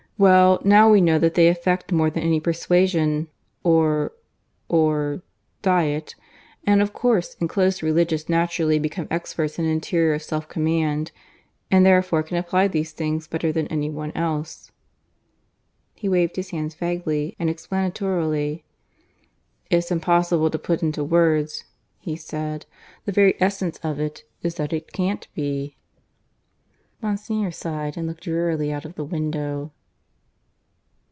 Well, now we know that they effect more than any persuasion ... or ... or ... diet. And of course enclosed Religious naturally become experts in interior self command, and therefore can apply these things better than anyone else." He waved his hands vaguely and explanatorily. "It's impossible to put it into words," he said. "The very essence of it is that it can't be." Monsignor sighed and looked drearily out of the window.